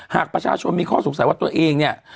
หากประชาชนมีข้อสงสัยว่าตัวเองเนี่ย